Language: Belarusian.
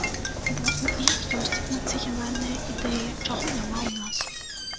Бо ў іх ёсць нацыянальная ідэя, чаго няма ў нас.